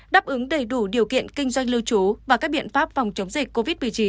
đáp ứng đầy đủ điều kiện kinh doanh lưu trú và các biện pháp phòng chống dịch covid một mươi chín